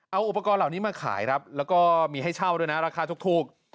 เอาอุปกรณ์เหล่านี้มาขายครับแล้วก็มีให้เช่าด้วยนะราคาถูก